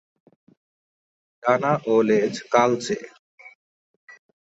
ডানা ও লেজ কালচে।